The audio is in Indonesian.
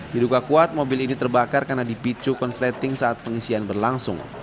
diduga kuat mobil ini terbakar karena dipicu konfleting saat pengisian berlangsung